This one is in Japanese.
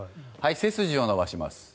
背筋を伸ばします。